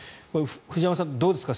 藤山さん、どうですか。